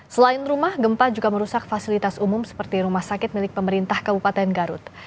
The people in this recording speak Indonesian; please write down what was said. selain rumah gempa juga merusak fasilitas umum seperti rumah sakit milik pemerintah kabupaten garut